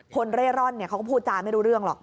เร่ร่อนเขาก็พูดจาไม่รู้เรื่องหรอก